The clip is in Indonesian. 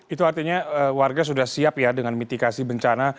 itu artinya warga sudah siap ya dengan mitigasi bencana